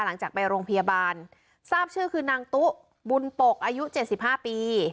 หลังจากไปโรงพยาบาลทราบชื่อคือนางตุ๊บุญปกอายุเจ็ดสิบห้าปี